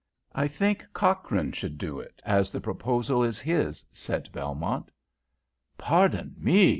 "I think Cochrane should do it, as the proposal is his," said Belmont. "Pardon me!"